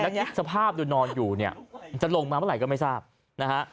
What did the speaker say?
คิดสภาพดูนอนอยู่เนี่ยจะลงมาเมื่อไหร่ก็ไม่ทราบนะฮะ